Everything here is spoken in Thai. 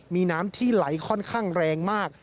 มีน้ำที่ไหลค่อนข้างแรงมาก